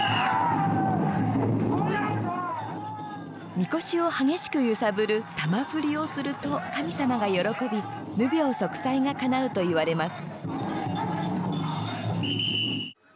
神輿を激しく揺さぶる魂振りをすると神様が喜び無病息災がかなうといわれます。